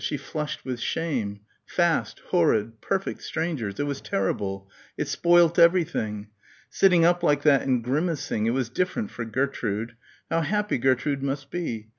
She flushed with shame.... Fast, horrid ... perfect strangers ... it was terrible ... it spoilt everything. Sitting up like that and grimacing.... It was different for Gertrude. How happy Gertrude must be.